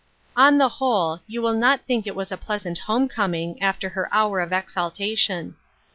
On the whole, you will not think it was a pleasant home coming, after her hour of exaltation.